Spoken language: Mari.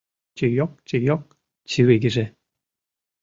Чийок-чийок чывигыже